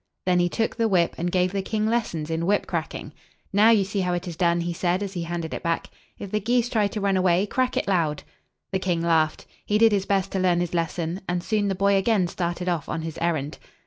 Then he took the whip, and gave the king lessons in whip cracking. "Now you see how it is done," he said, as he handed it back. "If the geese try to run away, crack it loud." The king laughed. He did his best to learn his lesson; and soon the boy again started off on his errand.